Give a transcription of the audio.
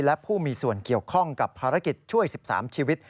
และผู้มีส่วนเกี่ยวข้องกับภารกิจช่วย๑๓ชีวิต